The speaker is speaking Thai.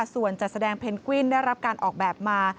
ส่วนจัดแสดงเพนกวินได้รับการออกแบบมา